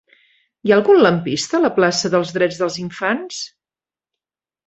Hi ha algun lampista a la plaça dels Drets dels Infants?